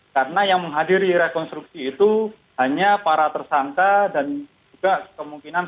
karena yang menghadiri rekonstruksi itu hanya para tersangka dan juga kemungkinan